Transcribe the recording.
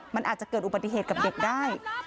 มันอาจจะเกิดอุบัติเหตุกับเด็กได้